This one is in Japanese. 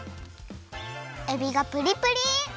えびがプリプリ！